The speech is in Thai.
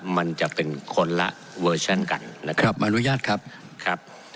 มันจะเป็นคนละเวอร์ชั่นกันนะครับอนุญาตครับครับ